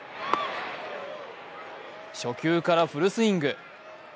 初球からフルスイング。